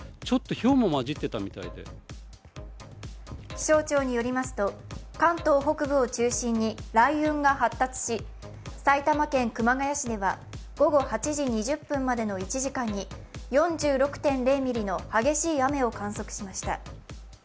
気象庁によりますと関東北部を中心に雷雲が発達し、埼玉県熊谷市では午後８時２０分までの１時間に４６．０ミリの激しい雨を観測しました。